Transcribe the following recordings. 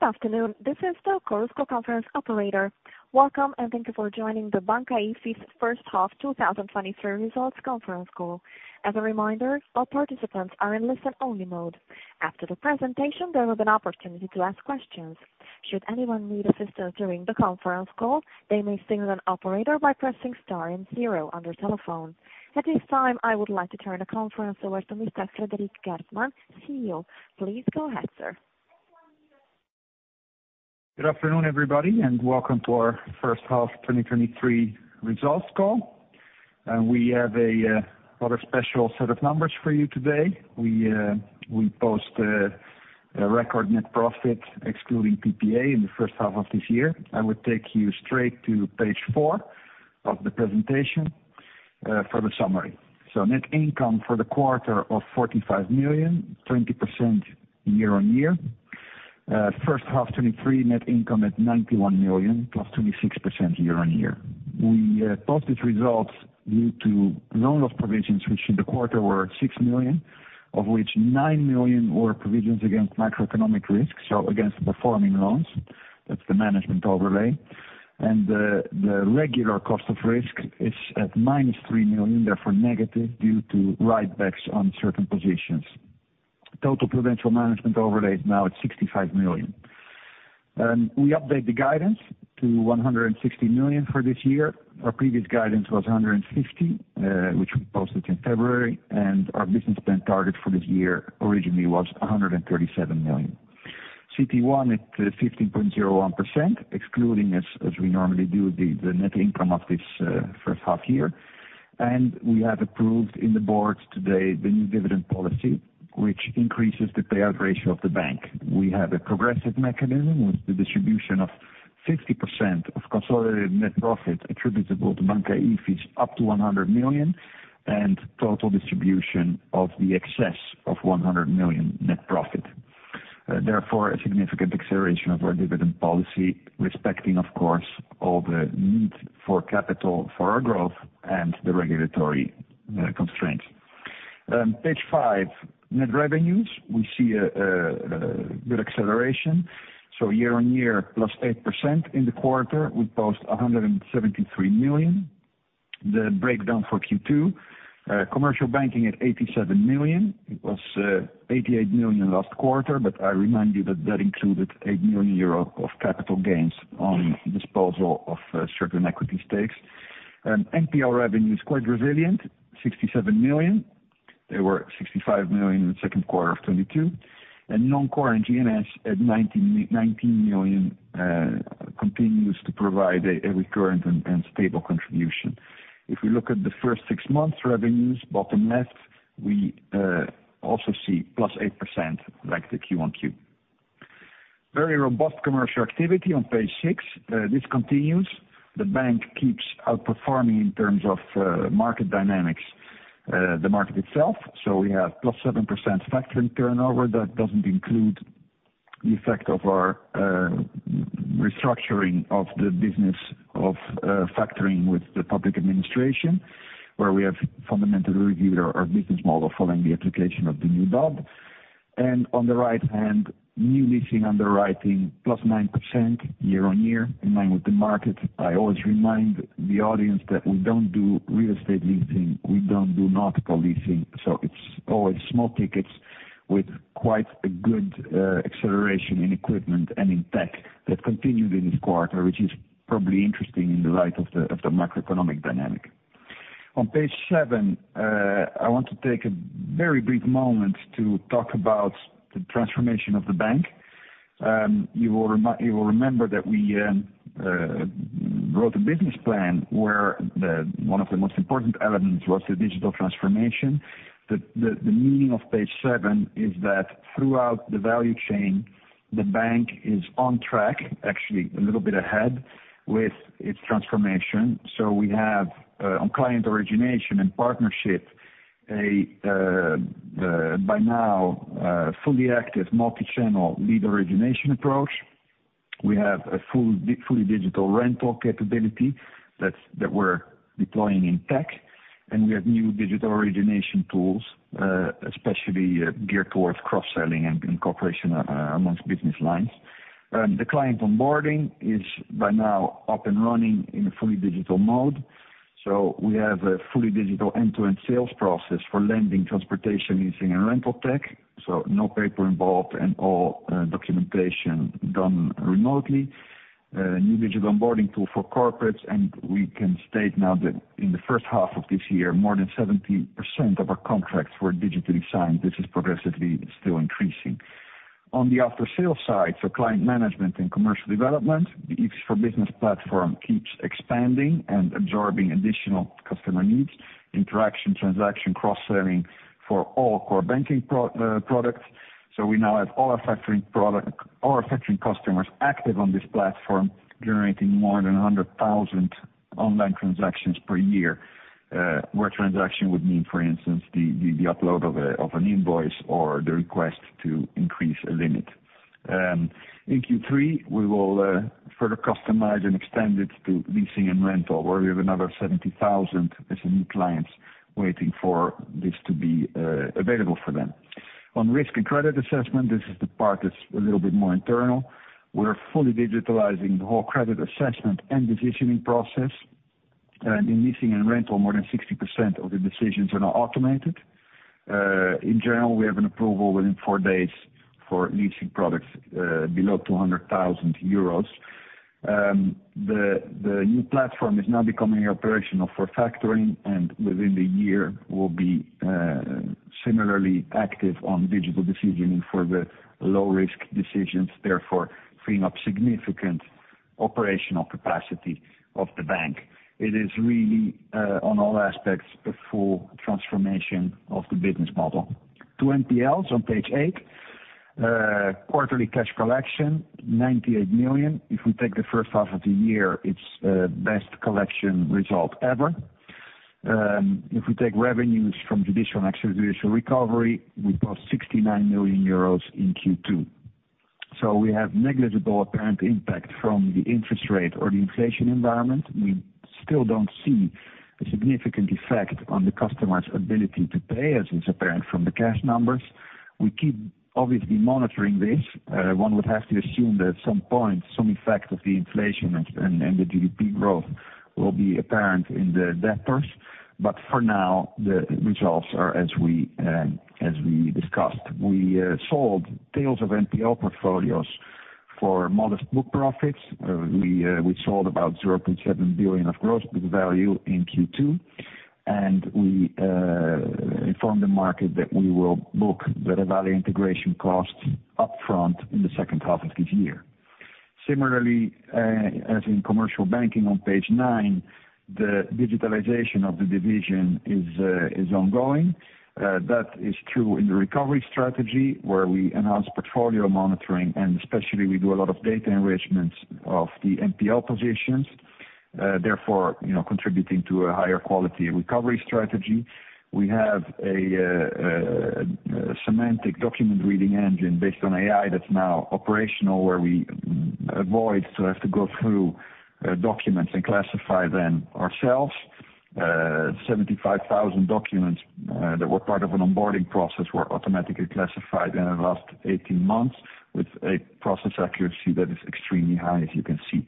Good afternoon, this is the Chorus Call conference operator. Welcome, thank you for joining the Banca Ifis first half 2023 results conference call. As a reminder, all participants are in listen-only mode. After the presentation, there will be an opportunity to ask questions. Should anyone need assistance during the conference call, they may signal an operator by pressing star and 0 on their telephone. At this time, I would like to turn the conference over to Mr. Frederik Geertman, CEO. Please go ahead, sir. Good afternoon, everybody, and welcome to our first half 2023 results call. We have a rather special set of numbers for you today. We post a record net profit excluding PPA in the first half of this year. I would take you straight to page four of the presentation for the summary. Net income for the quarter of 45 million, 20% year-on-year. First half 2023 net income at 91 million, +26% year-on-year. We posted results due to loan-loss provisions, which in the quarter were 6 million, of which 9 million were provisions against macroeconomic risks, so against performing loans. That's the management overlay. The regular cost of risk is at -3 million, therefore, negative due to write backs on certain positions. Total provincial management overlay is now at 65 million. We update the guidance to 160 million for this year. Our previous guidance was 150 million, which we posted in February. Our business plan target for this year originally was 137 million. CET1 at 15.01%, excluding as, as we normally do, the net income of this first half year. We have approved in the Board today the new dividend policy, which increases the payout ratio of the bank. We have a progressive mechanism with the distribution of 50% of consolidated net profit attributable to Banca Ifis, up to 100 million, and total distribution of the excess of 100 million net profit. Therefore, a significant acceleration of our dividend policy, respecting, of course, all the need for capital for our growth and the regulatory constraints. Page five, net revenues. We see a good acceleration, year-over-year, +8% in the quarter, we post 173 million. The breakdown for Q2, commercial banking at 87 million. It was 88 million last quarter, I remind you that that included 8 million euro of capital gains on disposal of certain equity stakes. NPL revenue is quite resilient, 67 million. They were 65 million in the second quarter of 2022, non-core G&NS at 19 million continues to provide a recurrent and stable contribution. If we look at the first six months, revenues, bottom left, we also see +8%, like the QoQ. Very robust commercial activity on page six. This continues. The bank keeps outperforming in terms of market dynamics, the market itself, we have +7% factoring turnover. That doesn't include the effect of our restructuring of the business of factoring with the public administration, where we have fundamentally reviewed our business model following the application of the new DoD. On the right hand, new leasing underwriting, +9% year-on-year, in line with the market. I always remind the audience that we don't do real estate leasing, we don't do nautical leasing, it's always small tickets with quite a good acceleration in equipment and in tech that continued in this quarter, which is probably interesting in the light of the macroeconomic dynamic. On page seven, I want to take a very brief moment to talk about the transformation of the bank. You will remember that we wrote a business plan where one of the most important elements was the digital transformation. The meaning of page seven is that throughout the value chain, the bank is on track, actually a little bit ahead, with its transformation. We have on client origination and partnership, by now, a fully active multi-channel lead origination approach. We have a full, fully digital rental capability that's, that we're deploying in tech, and we have new digital origination tools, especially geared towards cross-selling and cooperation amongst business lines. The client onboarding is by now up and running in a fully digital mode. We have a fully digital end-to-end sales process for lending, transportation, leasing and rental tech, no paper involved and all documentation done remotely. New digital onboarding tool for corporates, we can state now that in the first half of this year, more than 70% of our contracts were digitally signed. This is progressively still increasing. On the after-sale side, client management and commercial development, the Ifis4business platform keeps expanding and absorbing additional customer needs, interaction, transaction, cross-selling for all core banking products. We now have all our factoring product, all our factoring customers active on this platform, generating more than 100,000 online transactions per year. Where transaction would mean, for instance, the upload of an invoice or the request to increase a limit. In Q3, we will further customize and extend it to leasing and rental, where we have another 70,000 SME clients waiting for this to be available for them. On risk and credit assessment, this is the part that's a little bit more internal. We're fully digitalizing the whole credit assessment and decisioning process. In leasing and rental, more than 60% of the decisions are now automated. In general, we have an approval within four days for leasing products below 200,000 euros. The new platform is now becoming operational for factoring, and within the year will be similarly active on digital decisioning for the low risk decisions, therefore, freeing up significant operational capacity of the bank. It is really on all aspects, a full transformation of the business model. To NPLs on page eight, quarterly cash collection, 98 million. If we take the first half of the year, it's best collection result ever. If we take revenues from judicial and extrajudicial recovery, we've got 69 million euros in Q2. We have negligible apparent impact from the interest rate or the inflation environment. We still don't see a significant effect on the customer's ability to pay, as is apparent from the cash numbers. We keep obviously monitoring this. One would have to assume that at some point, some effect of the inflation and the GDP growth will be apparent in the debtors, but for now, the results are as we discussed. We sold tails of NPL portfolios for modest book profits. We sold about 0.7 billion of gross book value in Q2, and we informed the market that we will book the Revalea integration costs up front in the second half of this year. Similarly, as in commercial banking on page nine, the digitalization of the division is ongoing. That is true in the recovery strategy, where we enhance portfolio monitoring, and especially, we do a lot of data enrichment of the NPL positions, therefore, you know, contributing to a higher quality recovery strategy. We have a semantic document reading engine based on AI that's now operational, where we avoid to have to go through documents and classify them ourselves. 75,000 documents that were part of an onboarding process, were automatically classified in the last 18 months with a process accuracy that is extremely high, as you can see.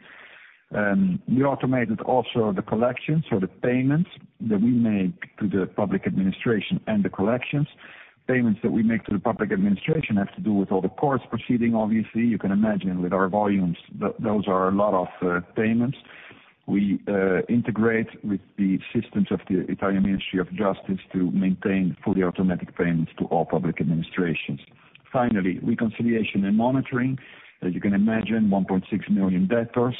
We automated also the collections or the payments that we make to the public administration and the collections. Payments that we make to the public administration have to do with all the courts proceeding obviously. You can imagine with our volumes, those are a lot of payments. We integrate with the systems of the Italian Ministry of Justice to maintain fully automatic payments to all public administrations. Finally, reconciliation and monitoring. As you can imagine, 1.6 million debtors,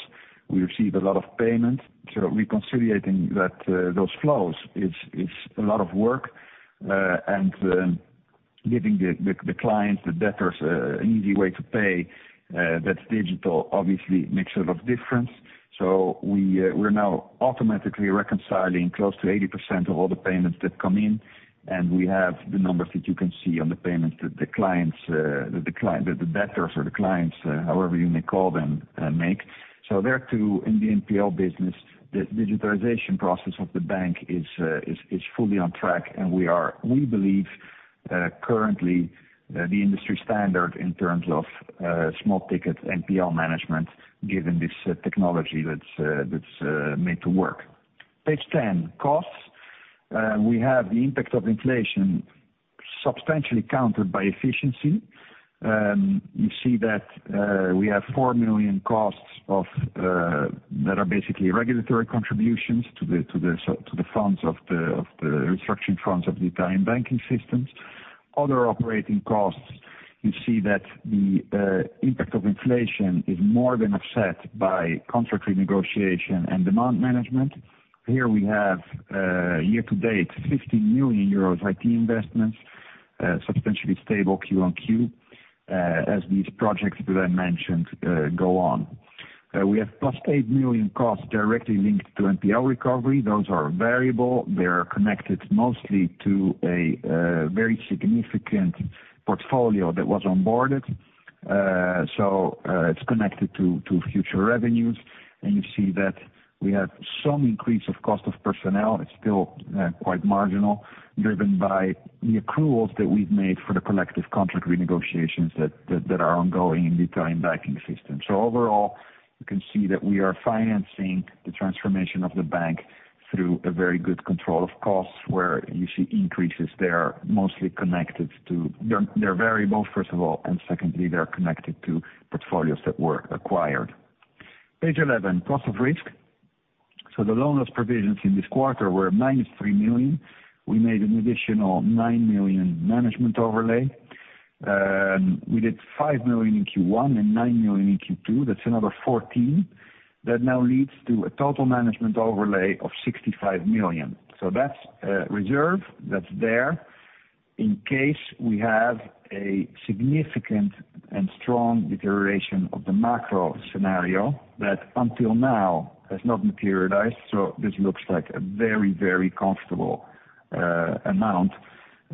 we receive a lot of payments. Reconciliating that, those flows, it's a lot of work, and giving the client, the debtors, an easy way to pay that's digital obviously makes a lot of difference. We're now automatically reconciling close to 80% of all the payments that come in, and we have the numbers that you can see on the payments that the clients, the debtors, or the clients, however you may call them, make. There, too, in the NPL business, the digitalization process of the bank is fully on track, and we are, we believe, currently, the industry standard in terms of small ticket NPL management, given this technology that's made to work. Page 10, costs. We have the impact of inflation substantially countered by efficiency. You see that we have 4 million costs that are basically regulatory contributions to the funds of the restructuring funds of the Italian banking systems. Other operating costs, you see that the impact of inflation is more than offset by contract renegotiation and demand management. Here we have year to date, 50 million euros IT investments, substantially stable QoQ, as these projects that I mentioned go on. We have +8 million costs directly linked to NPL recovery. Those are variable. They're connected mostly to a very significant portfolio that was onboarded. It's connected to future revenues, and you see that we have some increase of cost of personnel. It's still quite marginal, driven by the accruals that we've made for the collective contract renegotiations that, that, that are ongoing in the Italian banking system. Overall, you can see that we are financing the transformation of the bank through a very good control of costs, where you see increases, they're mostly connected to. They're, they're variable, first of all, and secondly, they're connected to portfolios that were acquired. Page 11, cost of risk. The loan loss provisions in this quarter were -3 million. We made an additional 9 million management overlay. We did 5 million in Q1 and 9 million in Q2. That's another 14. That now leads to a total management overlay of 65 million. That's reserve, that's there in case we have a significant and strong deterioration of the macro scenario that until now has not materialized, this looks like a very, very comfortable amount.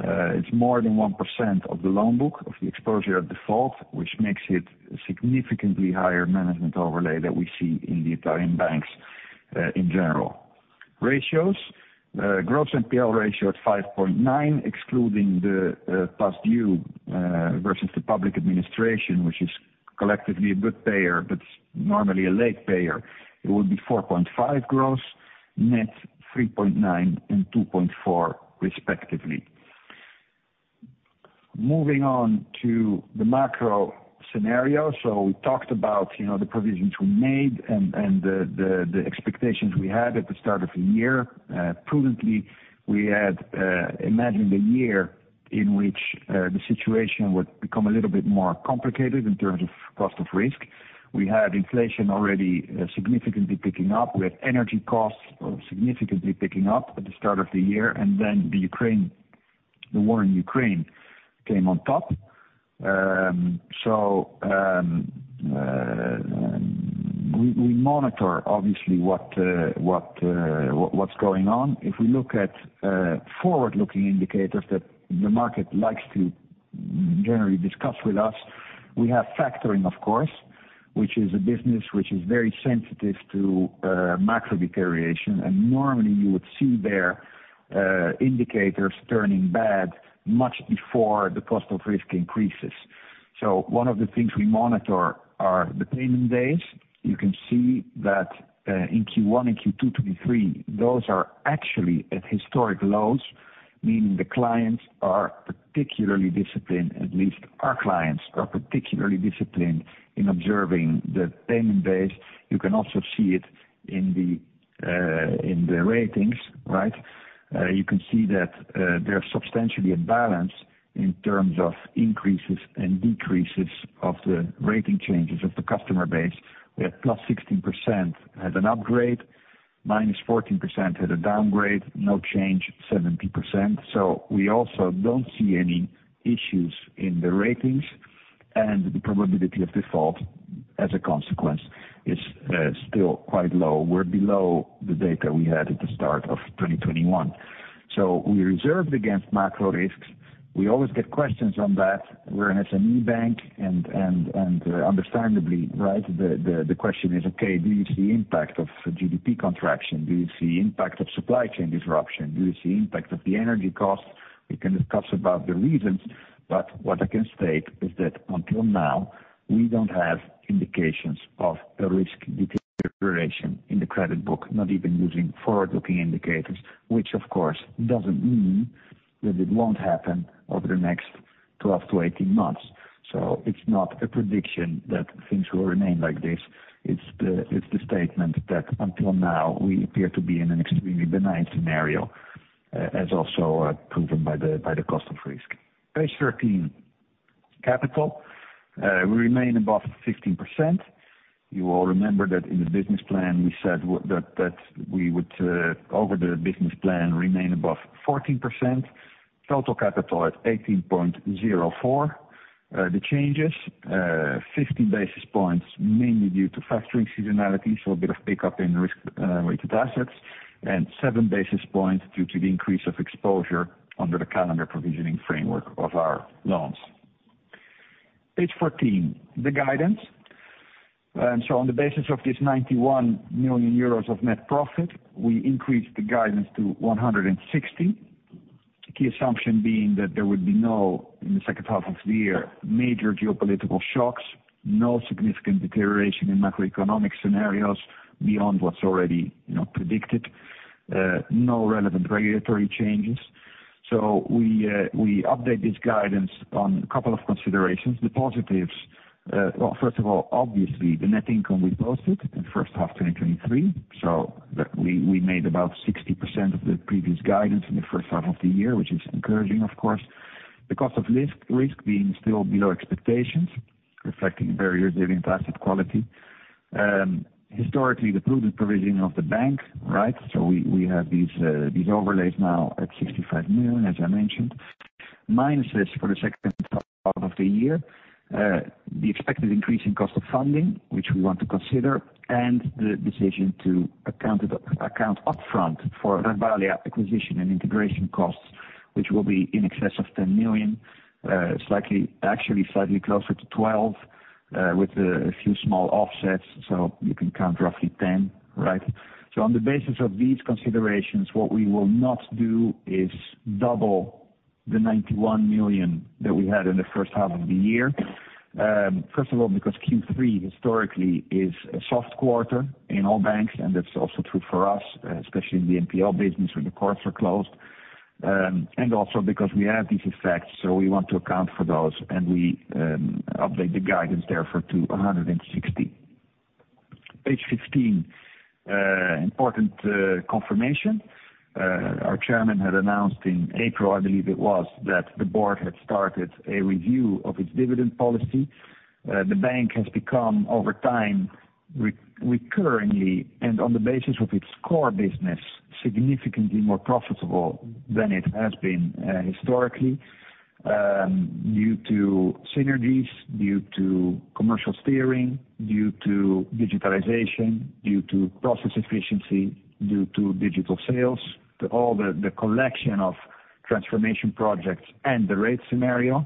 It's more than 1% of the loan book, of the Exposure at Default, which makes it a significantly higher management overlay that we see in the Italian banks in general. Ratios. The gross NPL ratio at 5.9, excluding the past due versus the public administration, which is collectively a good payer, but normally a late payer, it would be 4.5 gross, net 3.9 and 2.4, respectively. Moving on to the macro scenario. We talked about, you know, the provisions we made and the expectations we had at the start of the year. Prudently, we had imagined a year in which the situation would become a little bit more complicated in terms of cost of risk. We had inflation already significantly picking up. We had energy costs significantly picking up at the start of the year, and then the Ukraine, the war in Ukraine came on top. We monitor obviously, what, what, what's going on. If we look at forward-looking indicators that the market likes to generally discuss with us, we have factoring, of course, which is a business which is very sensitive to macro deterioration. Normally you would see their indicators turning bad much before the cost of risk increases. One of the things we monitor are the payment days. You can see that in Q1 and Q2 2023, those are actually at historic lows, meaning the clients are particularly disciplined. At least our clients are particularly disciplined in observing the payment days. You can also see it in the ratings, right? You can see that they're substantially imbalanced in terms of increases and decreases of the rating changes of the customer base, where +16% had an upgrade, -14% had a downgrade. No change, 70%. We also don't see any issues in the ratings, and the probability of default, as a consequence, is still quite low. We're below the data we had at the start of 2021. We reserved against macro risks. We always get questions on that. We're an SME bank and understandably, right, the question is, okay, do you see impact of GDP contraction? Do you see impact of supply chain disruption? Do you see impact of the energy costs? We can discuss about the reasons, but what I can state is that until now, we don't have indications of a risk deterioration in the credit book, not even using forward-looking indicators, which, of course, doesn't mean that it won't happen over the next 12-18 months. It's not a prediction that things will remain like this. It's the statement that until now, we appear to be in an extremely benign scenario, as also proven by the cost of risk. Page 13, capital. We remain above 15%. You all remember that in the business plan, we said that, that we would, over the business plan, remain above 14%. Total capital at 18.04%. The changes, 50 basis points, mainly due to factoring seasonality, so a bit of pickup in risk-weighted assets, and 7 basis points due to the increase of exposure under the calendar provisioning framework of our loans. Page 14, the guidance. On the basis of this 91 million euros of net profit, we increased the guidance to 160 million. The key assumption being that there would be no, in the second half of the year, major geopolitical shocks, no significant deterioration in macroeconomic scenarios beyond what's already, you know, predicted, no relevant regulatory changes. We update this guidance on a couple of considerations. The positives, well, first of all, obviously, the net income we posted in the first half of 2023. We made about 60% of the previous guidance in the first half of the year, which is encouraging, of course. The cost of risk, risk being still below expectations, reflecting very resilient asset quality. Historically, the prudent provisioning of the bank, right? We have these overlays now at 65 million, as I mentioned. Minuses for the second half of the year, the expected increase in cost of funding, which we want to consider, and the decision to account it up, account upfront for Revalea acquisition and integration costs, which will be in excess of 10 million, slightly, actually, slightly closer to 12 million, with a few small offsets. You can count roughly 10 million, right? On the basis of these considerations, what we will not do is double the 91 million that we had in the first half of the year. First of all, because Q3 historically is a soft quarter in all banks, and that's also true for us, especially in the NPL business, when the courts are closed, and also because we have these effects, so we want to account for those, and we update the guidance therefore, to 160. Page 15, important confirmation. Our chairman had announced in April, I believe it was, that the board had started a review of its dividend policy. The bank has become, over time, recurringly, and on the basis of its core business, significantly more profitable than it has been historically. Due to synergies, due to commercial steering, due to digitalization, due to process efficiency, due to digital sales, to all the, the collection of transformation projects and the rate scenario.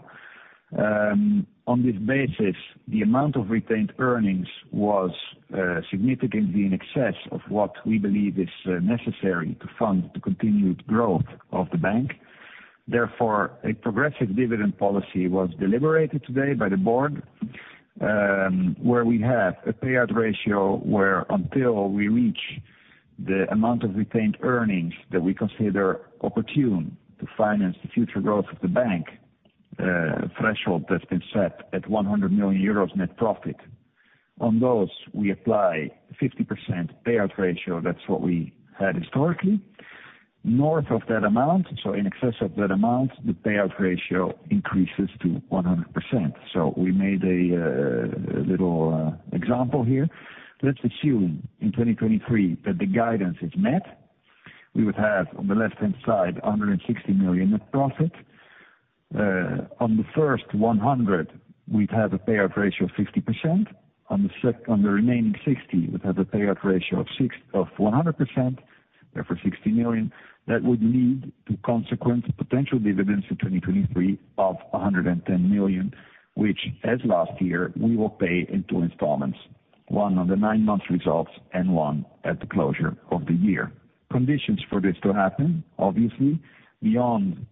On this basis, the amount of retained earnings was significantly in excess of what we believe is necessary to fund the continued growth of the bank. Therefore, a progressive dividend policy was deliberated today by the board, where we have a payout ratio, where until we reach the amount of retained earnings that we consider opportune to finance the future growth of the bank, a threshold that's been set at 100 million euros net profit. On those, we apply 50% payout ratio, that's what we had historically. North of that amount, so in excess of that amount, the payout ratio increases to 100%. We made a little example here. Let's assume in 2023 that the guidance is met, we would have, on the left-hand side, 160 million net profit. On the first 100 million, we'd have a payout ratio of 60%. On the remaining 60 million, we'd have a payout ratio of 100%, therefore 60 million. That would lead to consequent potential dividends in 2023 of 110 million, which as last year, we will pay in two installments, one on the nine months results and one at the closure of the year. Conditions for this to happen, obviously, beyond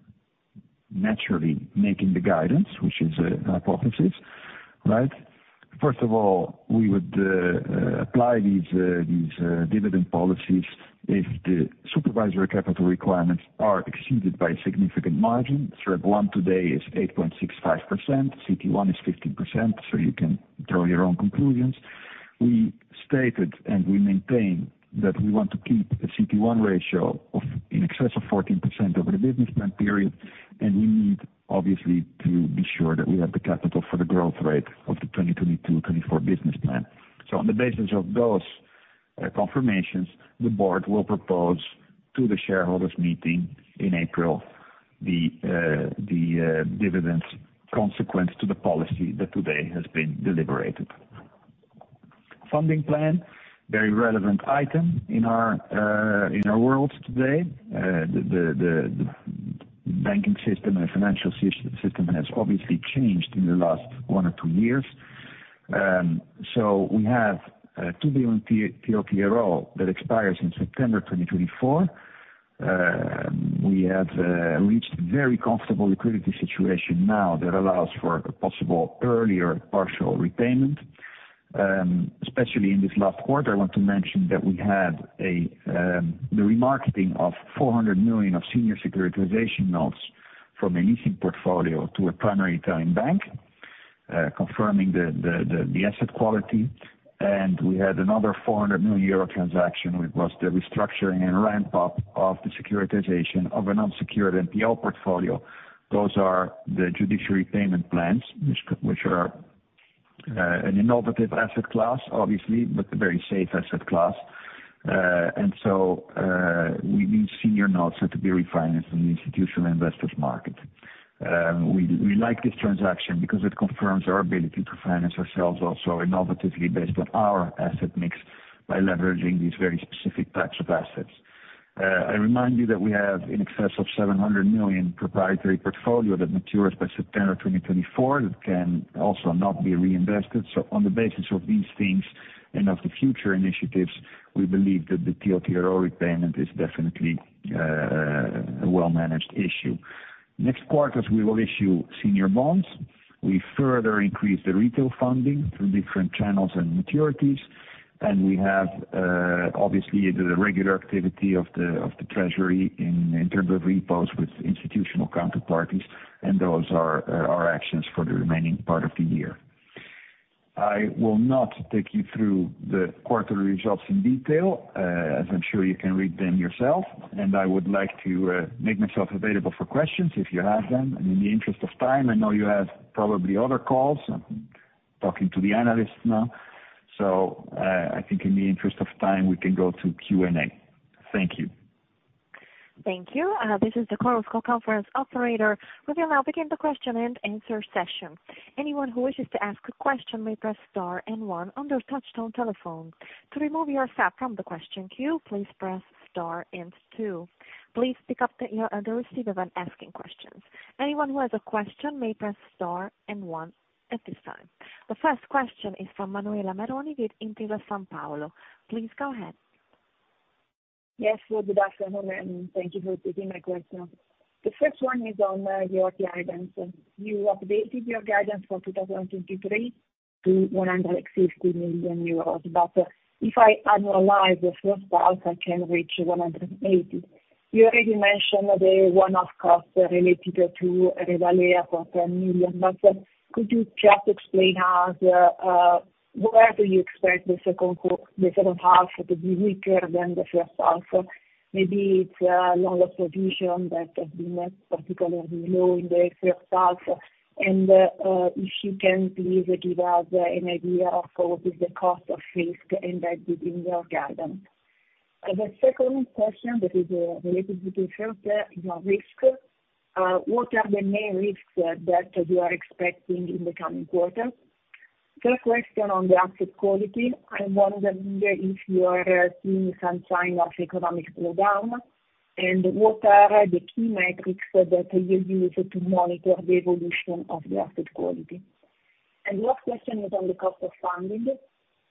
naturally making the guidance, which is a hypothesis, right? First of all, we would apply these these dividend policies if the supervisory capital requirements are exceeded by a significant margin. CET1 today is 8.65%, CET1 is 15%, you can draw your own conclusions. We stated, and we maintain, that we want to keep a CET1 ratio of in excess of 14% over the business plan period, and we need obviously to be sure that we have the capital for the growth rate of the 2022-2024 Business Plan. On the basis of those confirmations, the board will propose to the Shareholders' Meeting in April, the dividends consequence to the policy that today has been deliberated. Funding plan, very relevant item in our world today. The banking system and financial system has obviously changed in the last one or two years. We have a 2 billion TLTRO that expires in September 2024. We have reached a very comfortable liquidity situation now that allows for a possible earlier partial repayment. Especially in this last quarter, I want to mention that we had the remarketing of 400 million of senior securitization notes from a leasing portfolio to a primary Italian bank, confirming the, the, the, the asset quality. We had another 400 million euro transaction, which was the restructuring and ramp up of the securitization of an unsecured NPL portfolio. Those are the judicial payment plans, which are an innovative asset class, obviously, but a very safe asset class. We need senior notes so to be refinanced in the institutional investors market. We, we like this transaction because it confirms our ability to finance ourselves also innovatively based on our asset mix, by leveraging these very specific types of assets. I remind you that we have in excess of 700 million proprietary portfolio that matures by September 2024, that can also not be reinvested. On the basis of these things and of the future initiatives, we believe that the TLTRO repayment is definitely a well-managed issue. Next quarters, we will issue senior bonds. We further increase the retail funding through different channels and maturities, and we have, obviously, the regular activity of the treasury in terms of repos with institutional counterparties, and those are our actions for the remaining part of the year. I will not take you through the quarterly results in detail, as I'm sure you can read them yourself, and I would like to make myself available for questions if you have them. In the interest of time, I know you have probably other calls, I'm talking to the analysts now. I think in the interest of time, we can go to Q&A. Thank you. Thank you. This is the Chorus Call conference operator. We will now begin the question and answer session. Anyone who wishes to ask a question may press star one on their touchtone telephone. To remove yourself from the question queue, please press star two. Please pick up the ear on the receiver when asking questions. Anyone who has a question may press star one at this time. The first question is from Manuela Meroni with Intesa Sanpaolo. Please go ahead. Yes, good afternoon, and thank you for taking my question. The first one is on your guidance. You updated your guidance for 2023 to 150 million euros, but if I annualize the first part, I can reach 180 million. You already mentioned the one-off costs related to Revalea for 10 million, but could you just explain us where do you expect the second half to be weaker than the first half? Maybe it's longer provision that has been particularly low in the first half. If you can please give us an idea of what is the cost of risk embedded in your guidance. The second question that is related to the first, is on risk. What are the main risks that you are expecting in the coming quarters? First question on the asset quality, I'm wondering if you are seeing some sign of economic slowdown, and what are the key metrics that you use to monitor the evolution of the asset quality? Last question is on the cost of funding.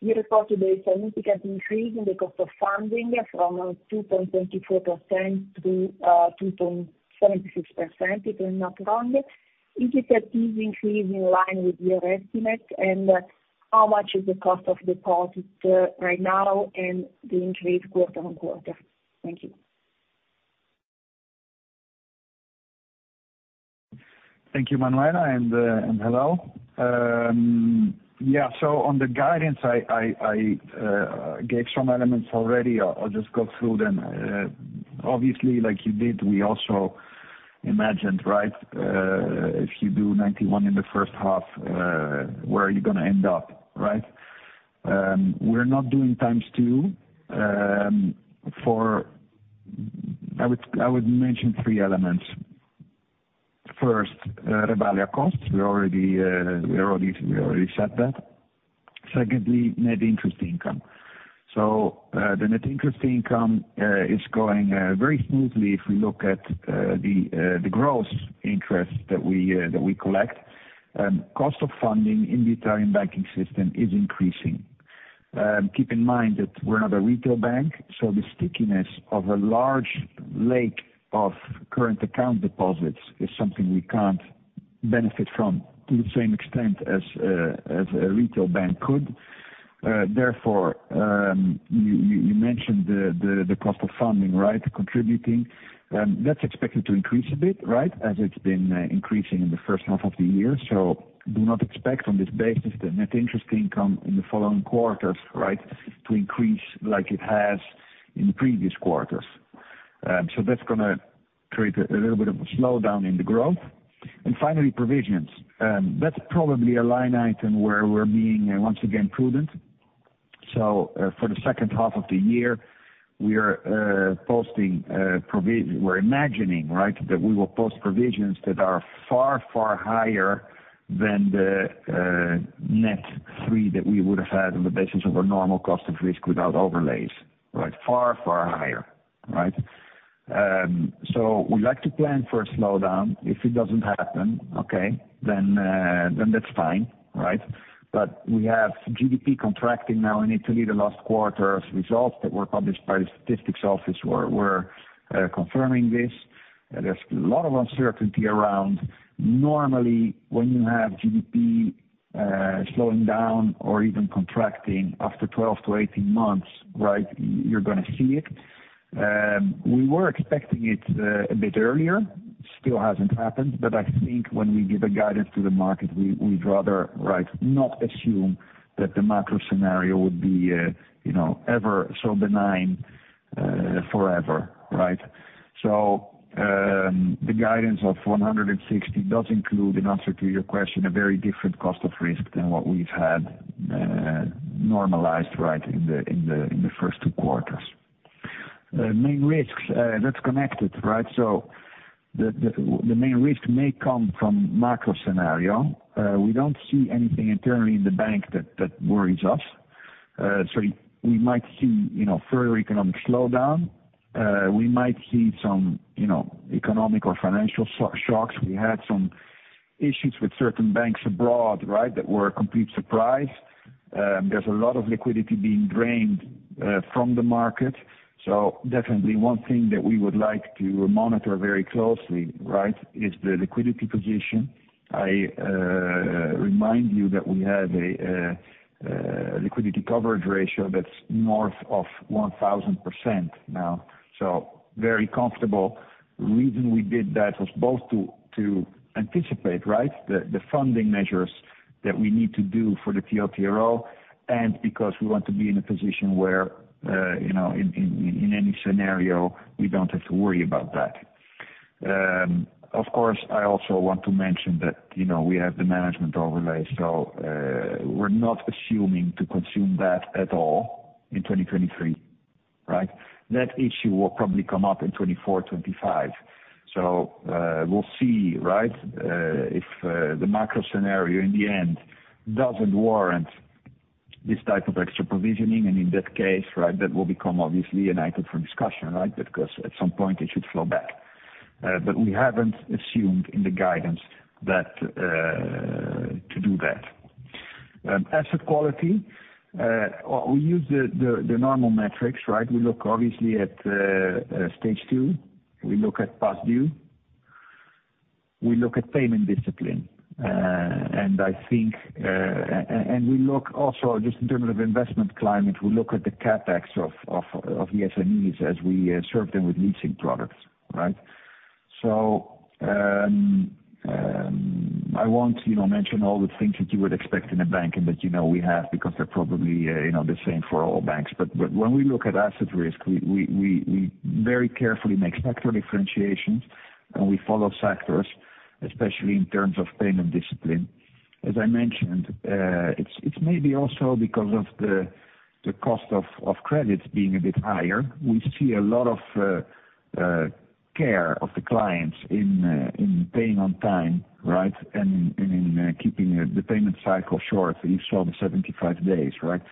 You reported a significant increase in the cost of funding from 2.24%-2.76%, if I'm not wrong. Is that, is increase in line with your estimate, and how much is the cost of deposit right now and the increase quarter-on-quarter? Thank you. Thank you, Manuela, and hello. On the guidance, I, I, I gave some elements already. I'll just go through them. Obviously, like you did, we also imagined, right, if you do 91 million in the first half, where are you gonna end up, right? We're not doing times two. I would, I would mention three elements. First, revaluation costs, we already, we already, we already said that. Secondly, net interest income. The net interest income is going very smoothly if we look at the the gross interest that we that we collect. Cost of funding in the Italian banking system is increasing. Keep in mind that we're not a retail bank, so the stickiness of a large lake of current account deposits is something we can't benefit from to the same extent as a retail bank could. Therefore, you mentioned the cost of funding, right, contributing. That's expected to increase a bit, right? As it's been increasing in the first half of the year. Do not expect, on this basis, the net interest income in the following quarters, right, to increase like it has in previous quarters. That's gonna create a little bit of a slowdown in the growth. Finally, provisions. That's probably a line item where we're being, once again, prudent. For the second half of the year, we are posting, we're imagining, right, that we will post provisions that are far, far higher than the net three that we would have had on the basis of a normal cost of risk without overlays, right? Far, far higher, right? We like to plan for a slowdown. If it doesn't happen, okay, that's fine, right? We have GDP contracting now in Italy. The last quarter's results that were published by the statistics office were confirming this. There's a lot of uncertainty around. Normally, when you have GDP slowing down or even contracting, after 12-18 months, right, you're gonna see it. We were expecting it a bit earlier, still hasn't happened, but I think when we give a guidance to the market, we'd rather, right, not assume that the macro scenario would be, you know, ever so benign, forever, right? The guidance of 160 does include, in answer to your question, a very different cost of risk than what we've had normalized, right, in the first two quarters. Main risks, that's connected, right? The main risk may come from macro scenario. We don't see anything internally in the bank that worries us. We might see, you know, further economic slowdown. We might see some, you know, economic or financial shocks. We had some issues with certain banks abroad, right, that were a complete surprise. There's a lot of liquidity being drained from the market. Definitely one thing that we would like to monitor very closely, right, is the liquidity position. I remind you that we have a liquidity coverage ratio that's north of 1,000% now, so very comfortable. The reason we did that was both to anticipate, right, the funding measures that we need to do for the TLTRO, and because we want to be in a position where, you know, in any scenario, we don't have to worry about that. Of course, I also want to mention that, you know, we have the management overlay, so we're not assuming to consume that at all in 2023, right? That issue will probably come up in 2024, 2025. We'll see, right, if the macro scenario, in the end, doesn't warrant this type of extra provisioning, and in that case, right, that will become obviously an item for discussion, right? Because at some point it should flow back. We haven't assumed in the guidance that to do that. Asset quality, we use the, the, the normal metrics, right? We look obviously at Stage 2, we look at past due, we look at payment discipline, and I think, and we look also just in terms of investment climate, we look at the CapEx of, of, of the SMEs as we serve them with leasing products, right? I won't, you know, mention all the things that you would expect in a bank and that, you know, we have, because they're probably, you know, the same for all banks. When we look at asset risk, we, we, we, we very carefully make sector differentiations, and we follow sectors, especially in terms of payment discipline. As I mentioned, it's, it's maybe also because of the cost of credits being a bit higher, we see a lot of care of the clients in paying on time, right? In keeping the payment cycle short, you saw the 75 days, right?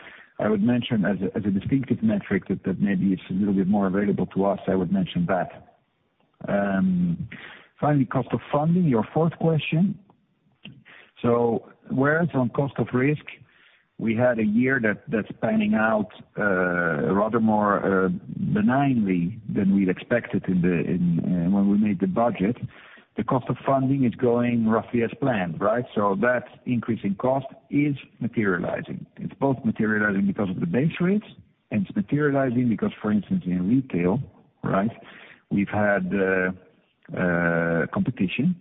I would mention as a, as a distinctive metric that, that maybe it's a little bit more available to us, I would mention that. Finally, cost of funding, your fourth question. Whereas on cost of risk, we had a year that, that's panning out rather more benignly than we'd expected in the when we made the budget. The cost of funding is going roughly as planned, right? That increase in cost is materializing. It's both materializing because of the base rates, and it's materializing because, for instance, in retail, right, we've had competition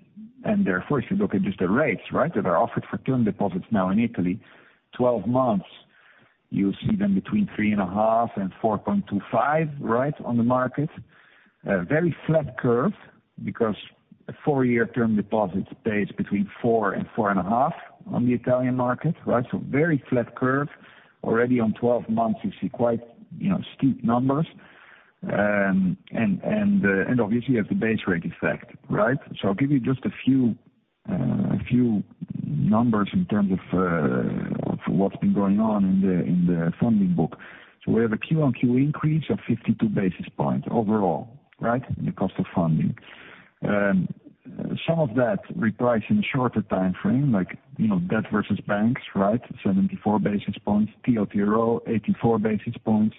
and therefore, if you look at just the rates, right, that are offered for term deposits now in Italy, 12 months, you'll see them between 3.5% and 4.25%, right, on the market. A very flat curve, because a four-year term deposit pays between 4% and 4.5% on the Italian market, right? Very flat curve. Already on 12 months, you see quite, you know, steep numbers. Obviously you have the base rate effect, right? I'll give you just a few numbers in terms of what's been going on in the funding book. We have a QoQ increase of 52 basis points overall, right? In the cost of funding. Some of that reprice in a shorter timeframe, like, you know, debt versus banks, right? 74 basis points. TLTRO, 84 basis points.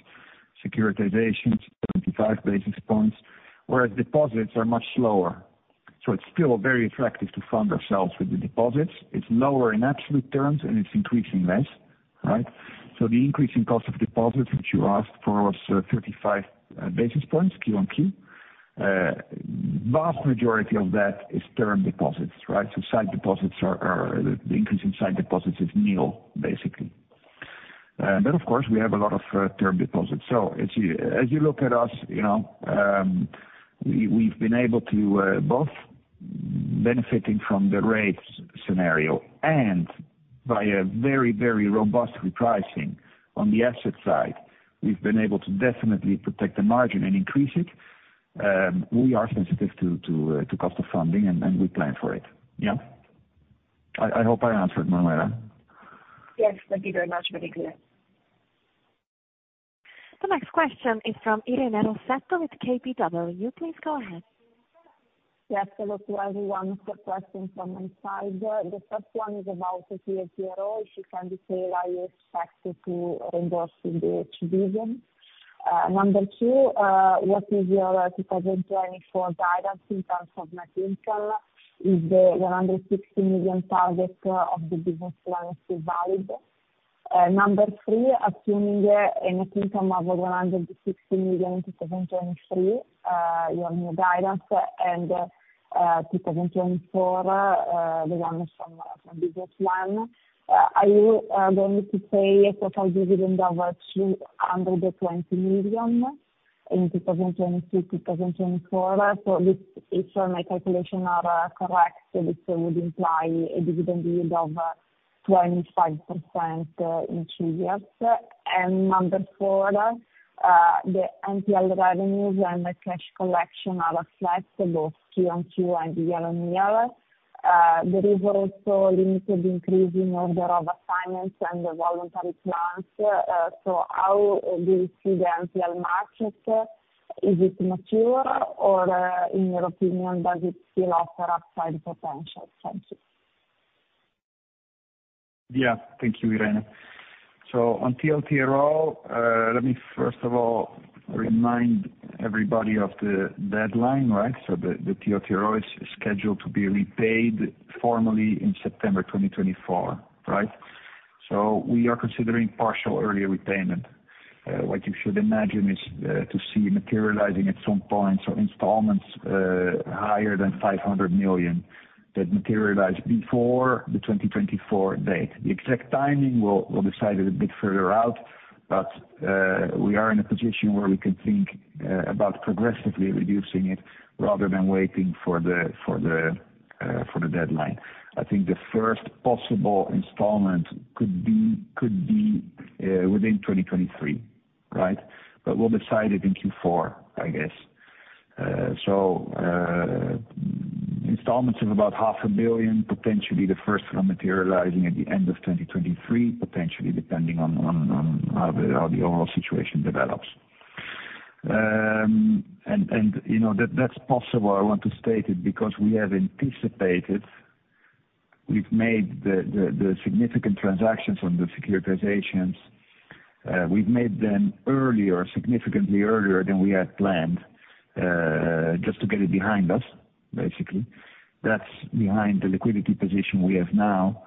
Securitizations, 75 basis points, whereas deposits are much slower. It's still very attractive to fund ourselves with the deposits. It's lower in absolute terms, and it's increasing less, right? The increase in cost of deposits, which you asked for, was 35 basis points, QoQ. Vast majority of that is term deposits, right? Sight deposits, the increase in sight deposits is nil, basically. Of course, we have a lot of term deposits. As you, as you look at us, you know, we've been able to both benefiting from the rates scenario and by a very, very robust repricing on the asset side, we've been able to definitely protect the margin and increase it. We are sensitive to cost of funding, and we plan for it. I hope I answered, Manuela. Yes, thank you very much. Very clear. The next question is from Irene Rossetto with KBW. Please go ahead. Yes, hello to everyone. Question from inside. The first one is about the TLTRO, if you can detail how you expect it to impact the division. Number two, what is your 2024 guidance in terms of net income? Is the 160 million target of the business plan still valid? Number three, assuming a net income of 160 million in 2023, your new guidance and 2024, the one from the business plan, are you going to pay a total dividend of 220 million in 2022, 2024? This, if my calculations are correct, this would imply a dividend yield of 25% in two years. Number four, the NPL revenues and the cash collection are flat, both QoQ and year-on-year. There is also a limited increase in order of assignments and the voluntary plans. How do you see the NPL market? Is it mature, or, in your opinion, does it still offer upside potential? Thank you. Yeah. Thank you, Irene. On TLTRO, let me first of all remind everybody of the deadline, right? The, the TLTRO is scheduled to be repaid formally in September 2024, right? We are considering partial earlier repayment. What you should imagine is to see materializing at some point, so installments higher than 500 million that materialize before the 2024 date. The exact timing, we'll, we'll decide it a bit further out, we are in a position where we can think about progressively reducing it, rather than waiting for the, for the, for the deadline. I think the first possible installment could be, could be within 2023, right? We'll decide it in Q4, I guess. Installments of about 500 million, potentially the first one materializing at the end of 2023, potentially, depending on how the overall situation develops. You know, that's possible, I want to state it, because we have anticipated. We've made the significant transactions on the securitizations. We've made them earlier, significantly earlier than we had planned, just to get it behind us, basically. That's behind the liquidity position we have now.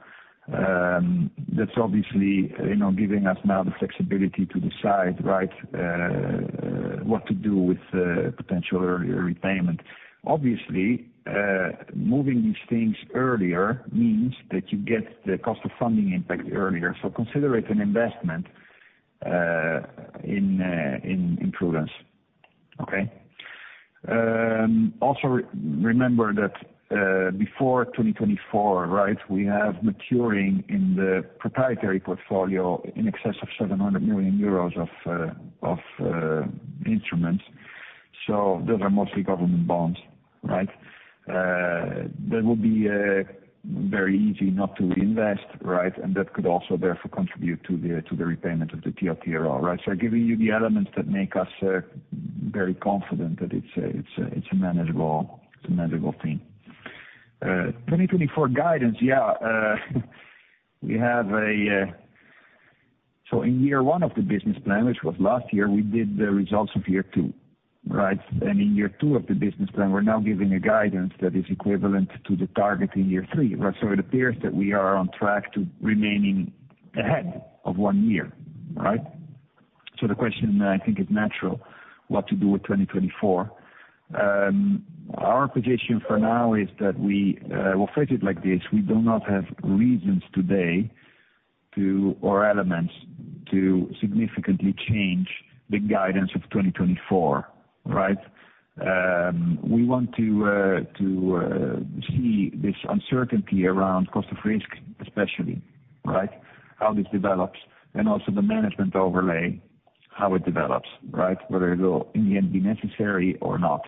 That's obviously, you know, giving us now the flexibility to decide, right, what to do with potential earlier repayment. Obviously, moving these things earlier means that you get the cost of funding impact earlier. Consider it an investment in prudence. Okay? Also re-remember that, before 2024, right, we have maturing in the proprietary portfolio in excess of 700 million euros of instruments. Those are mostly government bonds, right? That would be very easy not to invest, right? That could also therefore contribute to the repayment of the TLTRO, right? Giving you the elements that make us very confident that it's a, it's a, it's a manageable, it's a manageable thing. 2024 guidance, we have in year one of the business plan, which was last year, we did the results of year two, right? In year two of the business plan, we're now giving a guidance that is equivalent to the target in year three, right? It appears that we are on track to remaining ahead of one year, right? The question I think, is natural, what to do with 2024. Our position for now is that we, well, phrase it like this, we do not have reasons today to, or elements to significantly change the guidance of 2024, right? We want to, to, see this uncertainty around cost of risk, especially, right? How this develops, and also the management overlay, how it develops, right? Whether it will, in the end, be necessary or not.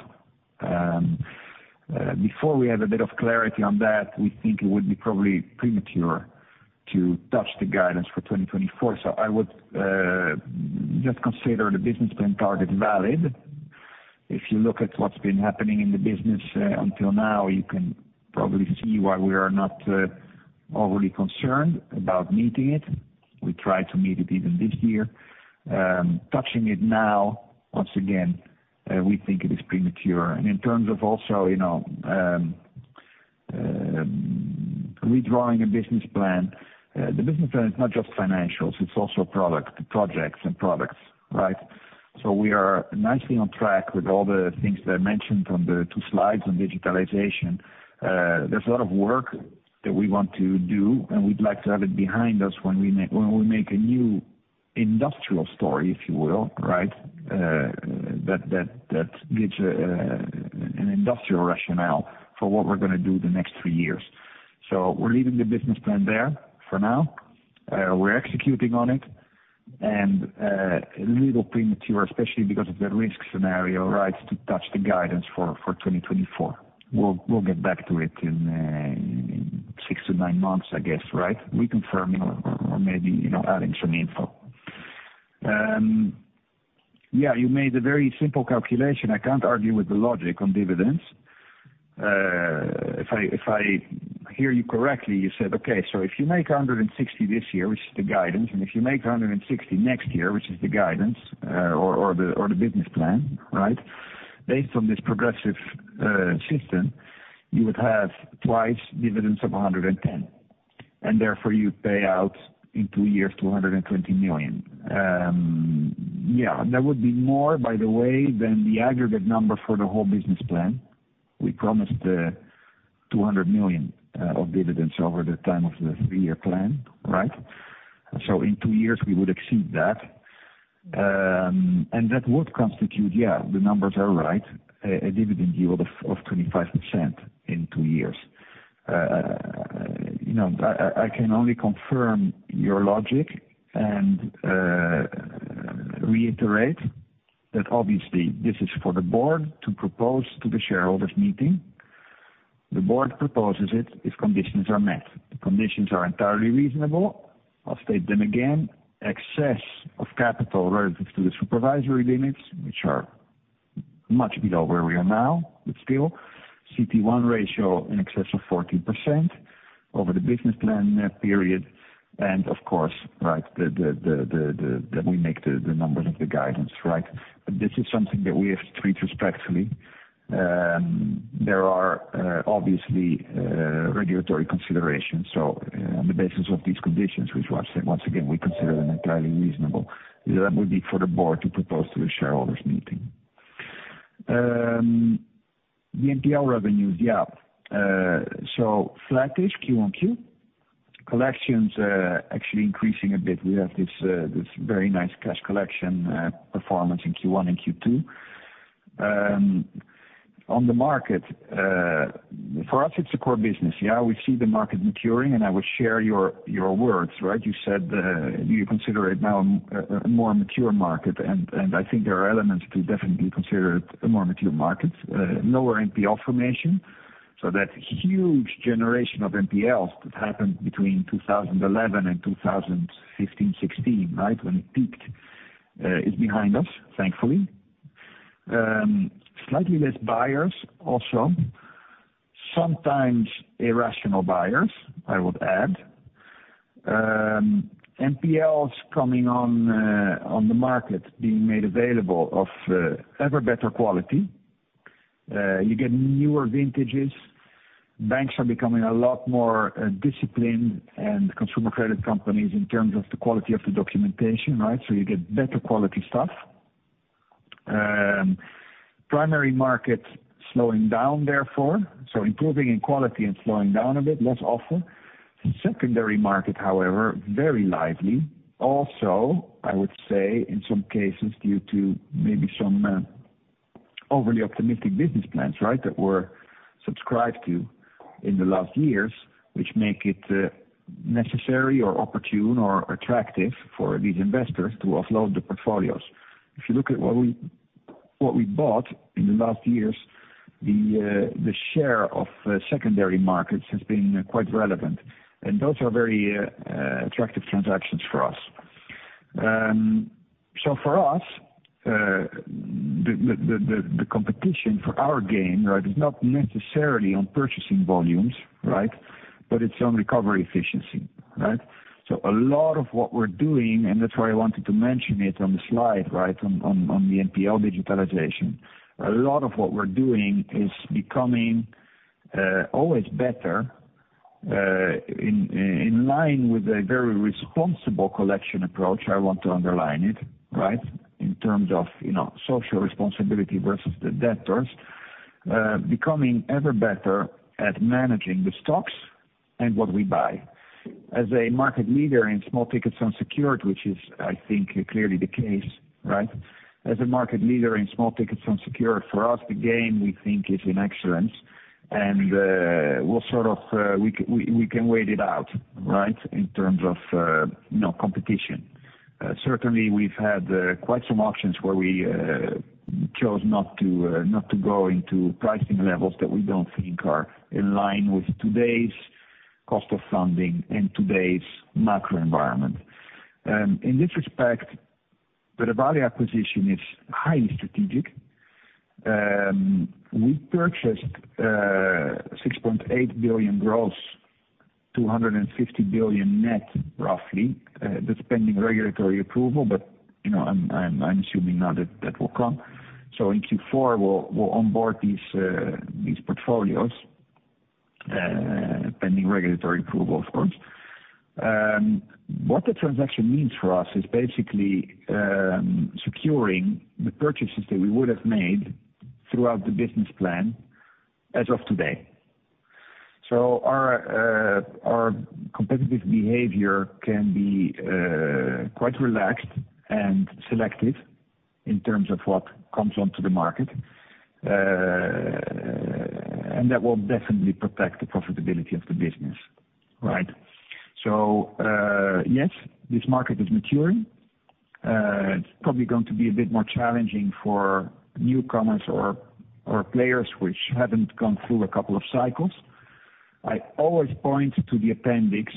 Before we have a bit of clarity on that, we think it would be probably premature to touch the guidance for 2024. I would, just consider the business plan target valid. If you look at what's been happening in the business, until now, you can probably see why we are not overly concerned about meeting it. We try to meet it even this year. Touching it now, once again, we think it is premature. In terms of also, you know, redrawing a business plan, the business plan is not just financials, it's also product, projects and products, right? We are nicely on track with all the things that I mentioned from the two slides on digitalization. There's a lot of work that we want to do, and we'd like to have it behind us when we make, when we make a new industrial story, if you will, right? That, that, that gives an industrial rationale for what we're gonna do the next three years. We're leaving the business plan there, for now. We're executing on it, and it's a little premature, especially because of the risk scenario, right, to touch the guidance for 2024. We'll, we'll get back to it in six-nine months, I guess, right? Reconfirming or, or maybe, you know, adding some info. Yeah, you made a very simple calculation. I can't argue with the logic on dividends. If I, if I hear you correctly, you said, "Okay, so if you make 160 million this year," which is the guidance, "and if you make 160 million next year," which is the guidance, or the business plan, right? Based on this progressive system, you would have twice dividends of 110, and therefore you pay out in two years, 220 million. Yeah, that would be more, by the way, than the aggregate number for the whole business plan. We promised 200 million of dividends over the time of the three-year plan, right? In two years, we would exceed that. And that would constitute, yeah, the numbers are right, a dividend yield of 25% in two years. You know, I, I, I can only confirm your logic and reiterate that obviously this is for the board to propose to the Shareholders' Meeting. The board proposes it, if conditions are met. The conditions are entirely reasonable. I'll state them again: excess of capital relative to the supervisory limits, which are much below where we are now, still CET1 ratio in excess of 14% over the business plan period. Of course, right, the, the, the, the, the, that we make the, the numbers of the guidance, right? This is something that we have to treat respectfully. There are, obviously, regulatory considerations. On the basis of these conditions, which once, once again, we consider them entirely reasonable, that would be for the board to propose to the Shareholders' Meeting. The NPL revenues, yeah. Flattish QoQ. Collections, actually increasing a bit. We have this, this very nice cash collection performance in Q1 and Q2. On the market, for us, it's a core business. Yeah, we see the market maturing, and I would share your, your words, right? You said, you consider it now, a more mature market, and I think there are elements to definitely consider it a more mature market. Lower NPL formation. That huge generation of NPLs that happened between 2011 and 2015, 2016, right, when it peaked, is behind us, thankfully. Slightly less buyers, also. Sometimes irrational buyers, I would add. NPLs coming on, on the market, being made available of, ever better quality. You get newer vintages. Banks are becoming a lot more, disciplined, and consumer credit companies, in terms of the quality of the documentation, right? You get better quality stuff. Primary market, slowing down, therefore, improving in quality and slowing down a bit, less often. Secondary market, however, very lively. Also, I would say, in some cases, due to maybe some overly optimistic business plans, right? That were subscribed to in the last years, which make it necessary or opportune or attractive for these investors to offload the portfolios. If you look at what we, what we bought in the last years, the the share of secondary markets has been quite relevant, and those are very attractive transactions for us. For us, the the the the the competition for our game, right, is not necessarily on purchasing volumes, right? It's on recovery efficiency, right? A lot of what we're doing, and that's why I wanted to mention it on the slide, right, on, on, on the NPL digitalization. A lot of what we're doing is becoming, always better, in, in line with a very responsible collection approach. I want to underline it, right? In terms of, you know, social responsibility versus the debtors. Becoming ever better at managing the stocks and what we buy. As a market leader in small tickets unsecured, which is, I think, clearly the case, right? As a market leader in small tickets unsecured, for us, the game, we think, is in excellence. We'll sort of, we, we, we can wait it out, right? In terms of, you know, competition. Certainly, we've had, quite some auctions where we, chose not to, not to go into pricing levels that we don't think are in line with today's cost of funding and today's macro environment. In this respect, the Revalea acquisition is highly strategic. We purchased 6.8 billion gross, 250 billion net, roughly, that's pending regulatory approval, but, you know, I'm, I'm, I'm assuming now that that will come. In Q4, we'll, we'll onboard these, these portfolios, pending regulatory approval, of course. What the transaction means for us is basically, securing the purchases that we would have made throughout the business plan as of today. Our, our competitive behavior can be, quite relaxed and selective in terms of what comes onto the market, and that will definitely protect the profitability of the business, right? Yes, this market is maturing. It's probably going to be a bit more challenging for newcomers or, or players which haven't gone through a couple of cycles. I always point to the appendix.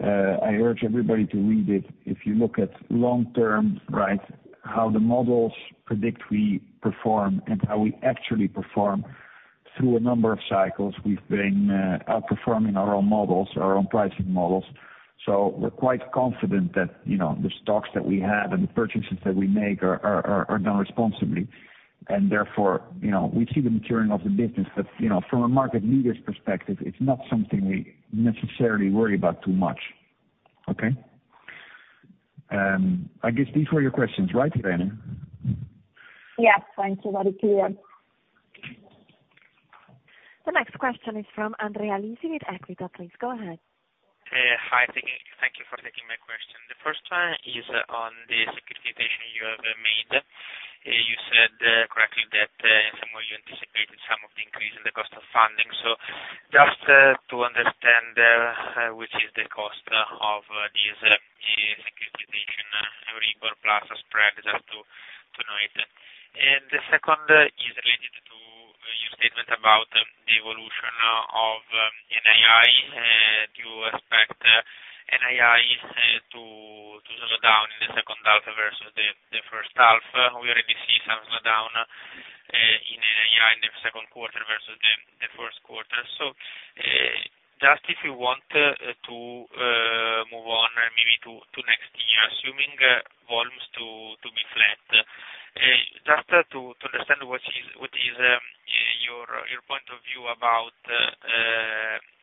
I urge everybody to read it. If you look at long-term, right, how the models predict we perform and how we actually perform through a number of cycles, we've been outperforming our own models, our own pricing models. We're quite confident that, you know, the stocks that we have and the purchases that we make are done responsibly, and therefore, you know, we see the maturing of the business. You know, from a market leader's perspective, it's not something we necessarily worry about too much. Okay? I guess these were your questions, right, Irene? Yes, thank you very clear. The next question is from Andrea Lucidi at Equita. Please, go ahead. Hi, thank you, thank you for taking my question. The first one is on the securitization you have made. You said, correctly, that, somehow you anticipated some of the increase in the cost of funding. Just to understand, which is the cost of these securitization, every plus spread, just to know it. The second is related to your statement about the evolution of NII. Do you expect NII to slow down in the second half versus the first half? We already see some slowdown in the second quarter versus the first quarter. Just if you want to move on, maybe to next year, assuming volumes to be flat. Just to understand what is your point of view about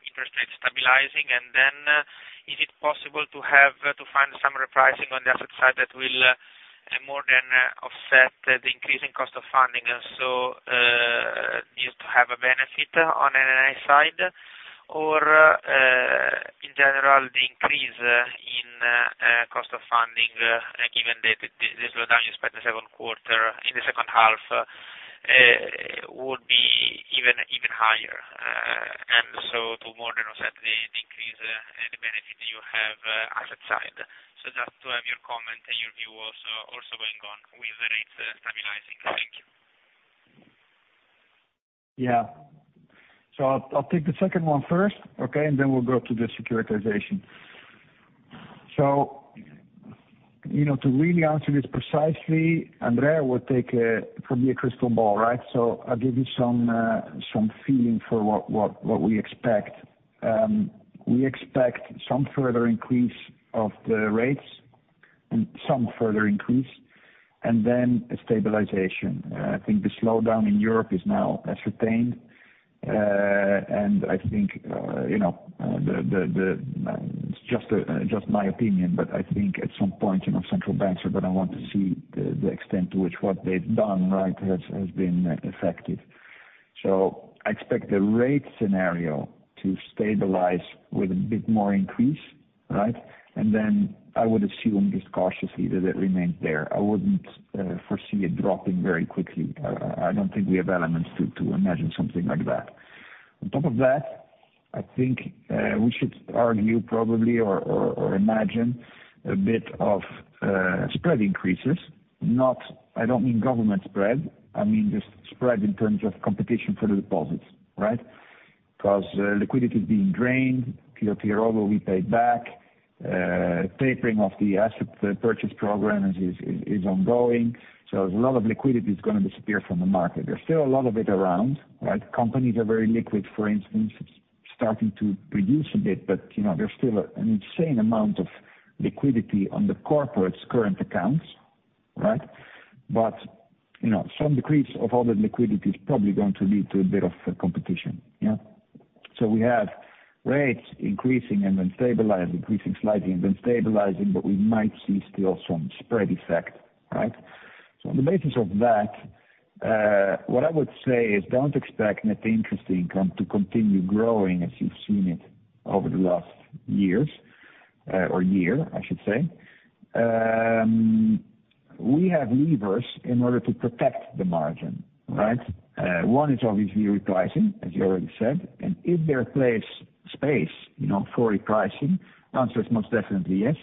interest rates stabilizing, and then, is it possible to have, to find some repricing on the asset side that will more than offset the increase in cost of funding? You to have a benefit on NII side, or, in general, the increase in cost of funding, given that the slowdown despite the second quarter, in the second half, would be even, even higher, and so to more than offset the increase, the benefit you have, asset side. Just to have your comment and your view also, also going on with the rates stabilizing. Thank you. Yeah. I'll, I'll take the second one first, okay, and then we'll go to the securitization. You know, to really answer this precisely, Andrea, would take from me a crystal ball, right? I'll give you some feeling for what, what, what we expect. We expect some further increase of the rates and some further increase, and then a stabilization. I think the slowdown in Europe is now ascertained. I think, you know, the, the, the, it's just my opinion, but I think at some point, you know, central banks are gonna want to see the, the extent to which what they've done, right, has, has been effective. I expect the rate scenario to stabilize with a bit more increase, right? Then I would assume just cautiously that it remains there. I wouldn't foresee it dropping very quickly. I don't think we have elements to imagine something like that. On top of that, I think, we should argue probably or imagine a bit of spread increases, not... I don't mean government spread, I mean, just spread in terms of competition for the deposits, right? liquidity is being drained, TLTRO will be paid back, tapering of the asset purchase program is ongoing, a lot of liquidity is gonna disappear from the market. There's still a lot of it around, right? Companies are very liquid, for instance, it's starting to reduce a bit, you know, there's still an insane amount of liquidity on the corporates current accounts, right? you know, some decrease of all that liquidity is probably going to lead to a bit of competition, yeah. We have rates increasing and then stabilize, increasing slightly, and then stabilizing, but we might see still some spread effect, right? On the basis of that, what I would say is don't expect net interest income to continue growing as you've seen it over the last years, or year, I should say. We have levers in order to protect the margin, right? One is obviously repricing, as you already said, and if there plays space, you know, for repricing, the answer is most definitely yes.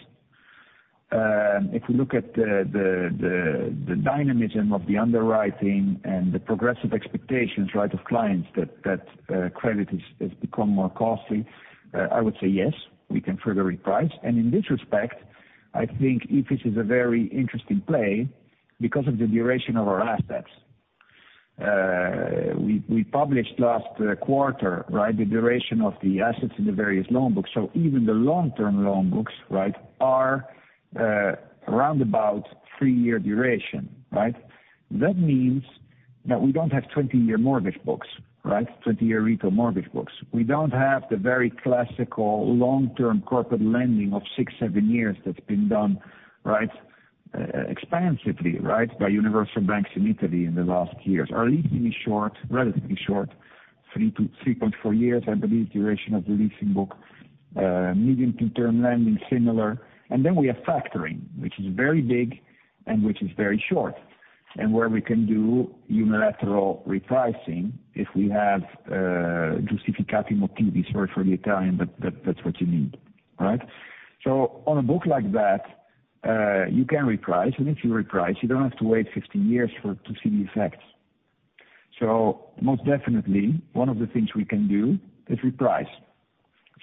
If we look at the dynamism of the underwriting and the progressive expectations, right, of clients, that credit is, has become more costly, I would say yes, we can further reprice. In this respect, I think, Ifis is a very interesting play because of the duration of our assets, we, we published last quarter, right? The duration of the assets in the various loan books. Even the long-term loan books, right, are around about three-year duration, right? That means that we don't have 20-year mortgage books, right? 20-year retail mortgage books. We don't have the very classical long-term corporate lending of six, seven years that's been done, right, expansively, right, by universal banks in Italy in the last years. Our leasing is short, relatively short, three-3.4 years, I believe, duration of the leasing book, medium to term lending, similar. Then we have factoring, which is very big and which is very short, and where we can do unilateral repricing if we have justificative motives. Sorry for the Italian, but that, that's what you need, right? On a book like that, you can reprice, and if you reprice, you don't have to wait 15 years for it to see the effects. Most definitely, one of the things we can do is reprice.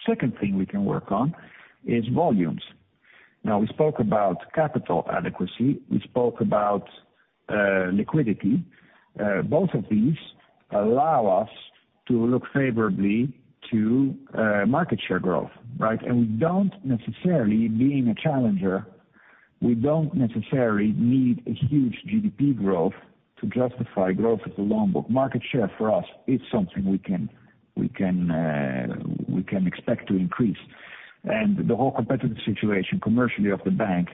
Second thing we can work on is volumes. We spoke about capital adequacy, we spoke about liquidity. Both of these allow us to look favorably to market share growth, right? We don't necessarily being a challenger, we don't necessarily need a huge GDP growth to justify growth of the loan book. Market share for us is something we can, we can, we can expect to increase. The whole competitive situation commercially of the bank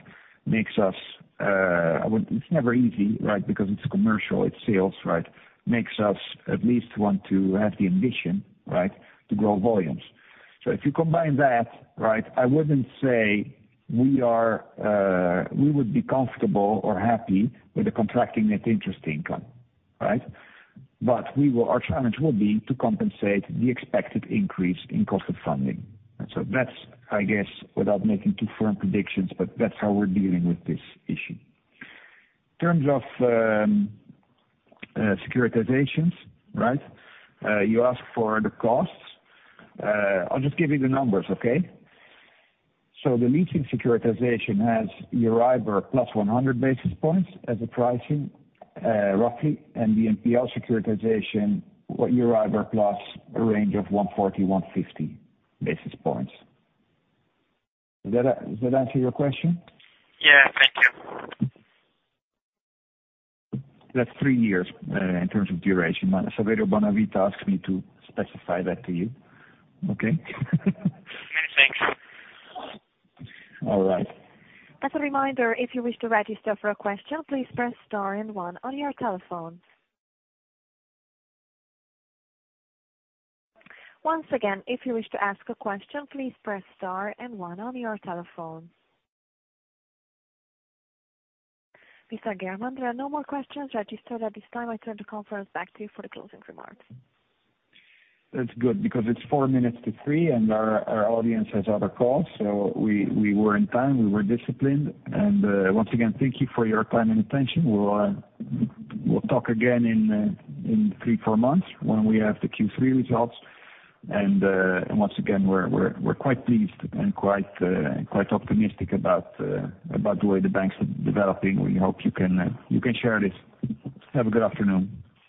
makes us, I would. It's never easy, right? Because it's commercial, it's sales, right? Makes us at least want to have the ambition, right, to grow volumes. If you combine that, right, I wouldn't say we are, we would be comfortable or happy with the contracting net interest income, right? Our challenge will be to compensate the expected increase in cost of funding. That's, I guess, without making too firm predictions, but that's how we're dealing with this issue. In terms of securitizations, right? You ask for the costs. I'll just give you the numbers, okay? The leasing securitization has Euribor + 100 basis points as a pricing, roughly, and the NPL securitization, what Euribor + a range of 140-150 basis points. Does that, does that answer your question? Yeah. Thank you. That's three years, in terms of duration. Saverio Bonavita asked me to specify that to you, okay? Many thanks. All right. As a reminder, if you wish to register for a question, please press star and one on your telephone. Once again, if you wish to ask a question, please press star and one on your telephone. Mr. Geertman, there are no more questions registered at this time. I turn the conference back to you for the closing remarks. That's good, because it's four minutes to three. Our, our audience has other calls, so we, we were on time, we were disciplined. Once again, thank you for your time and attention. We'll, we'll talk again in three, four months when we have the Q3 results. Once again, we're, we're, we're quite pleased and quite, quite optimistic about, about the way the banks are developing. We hope you can, you can share this. Have a good afternoon.